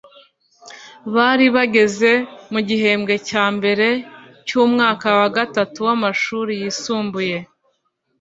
bari bageze mu gihembwe cya mbere cy’umwaka wa gatatu w’amashuli yisumbuye